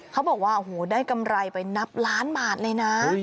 เขาบอกว่าโอ้โหได้กำไรไปนับล้านบาทเลยนะ